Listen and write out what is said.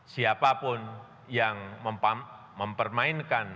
siapa pun yang mempermainkan